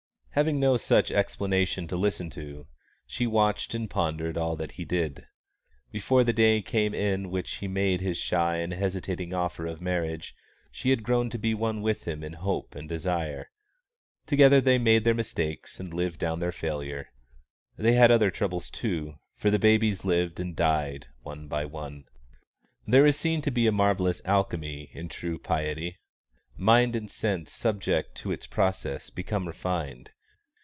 Having no such explanation to listen to, she watched and pondered all that he did. Before the day came in which he made his shy and hesitating offer of marriage, she had grown to be one with him in hope and desire. Together they made their mistakes and lived down their failure. They had other troubles too, for the babies lived and died one by one. There is seen to be a marvellous alchemy in true piety. Mind and sense subject to its process become refined.